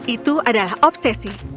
itu adalah obsesi